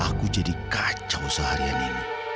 aku jadi kacau seharian ini